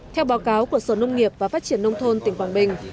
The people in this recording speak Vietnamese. theo báo cáo của sở nông nghiệp và phát triển nông thôn tỉnh quảng bình